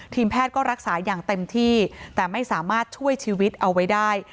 แพทย์ก็รักษาอย่างเต็มที่แต่ไม่สามารถช่วยชีวิตเอาไว้ได้